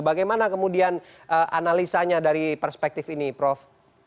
bagaimana kemudian analisanya dari perspektif ini prof